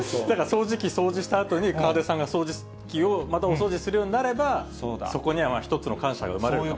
掃除機掃除したあとに、河出さんが掃除機をまたお掃除するようになれば、またそこに一つの感謝が生まれると。